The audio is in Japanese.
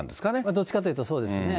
どっちかっていうとそうですね。